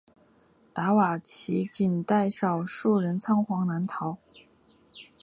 达瓦齐仅带少数人仓皇南逃。